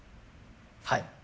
はい。